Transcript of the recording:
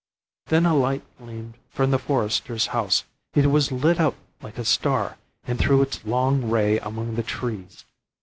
Then a light gleamed from the forester's house. It was lit up like a star, and threw its long ray among the trees.